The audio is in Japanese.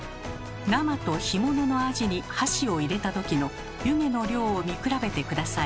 生と干物のアジに箸を入れた時の湯気の量を見比べて下さい。